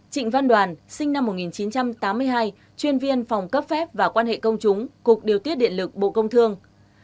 hai trịnh văn đoàn sinh năm một nghìn chín trăm tám mươi hai chuyên viên phòng cấp phép và quan hệ công chúng cục điều tiết điện lực bộ công thương